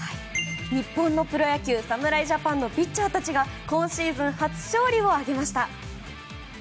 日本のプロ野球侍ジャパンのピッチャーたちが今シーズン初勝利を挙げました。